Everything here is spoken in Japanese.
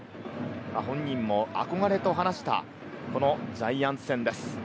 本人も憧れと話したこのジャイアンツ戦です。